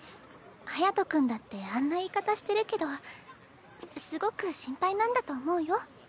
隼君だってあんな言い方してるけどすごく心配なんだと思うよ。